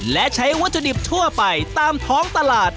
และใช้วัตถุดิบทั่วไปตามท้องตลาด